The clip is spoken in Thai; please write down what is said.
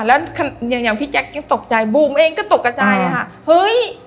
แล้วอย่างอย่างพี่แจ็คยังตกใจบุ๋มเองก็ตกใจอ่ะค่ะเฮ้ย